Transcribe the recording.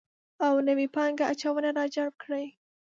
او نوې پانګه اچونه راجلب کړي